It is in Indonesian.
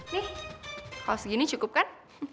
nih kalau segini cukup kan